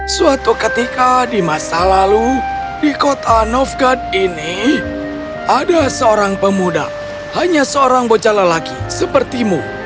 suatu ketika di masa lalu di kota novgat ini ada seorang pemuda hanya seorang bocala lagi sepertimu